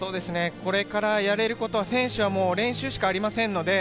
これからやれること、選手は練習しかありません。